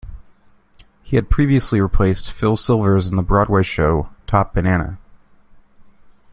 He had previously replaced Phil Silvers in the Broadway show "Top Banana".